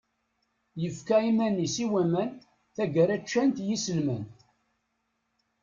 Yefka iman-is i waman, taggara ččan-t yiselman.